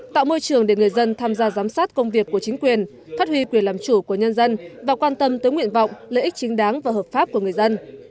tạo môi trường để người dân tham gia giám sát công việc của chính quyền phát huy quyền làm chủ của nhân dân và quan tâm tới nguyện vọng lợi ích chính đáng và hợp pháp của người dân